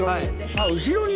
後ろに。